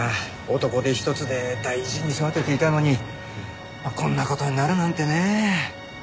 男手一つで大事に育てていたのにこんな事になるなんてねぇ。